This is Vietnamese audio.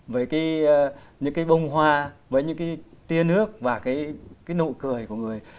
với những cái bông hoa với những cái tia nước và cái nụ cười của người